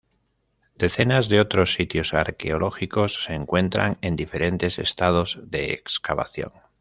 Decenas de otros sitios arqueológicos se encuentran en diferentes estados de excavación.